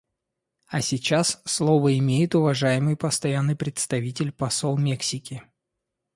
А сейчас слово имеет уважаемый Постоянный представитель посол Мексики.